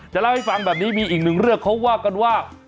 เล่าให้ฟังแบบนี้มีอีกหนึ่งเรื่องเขาว่ากันว่า